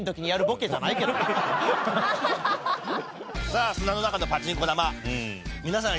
さあ砂の中のパチンコ玉皆さん